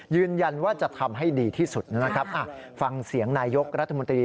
ยืนยันว่าจะทำให้ดีที่สุดนะครับฟังเสียงนายกรัฐมนตรี